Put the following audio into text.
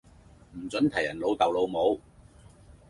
唔准提人老竇老母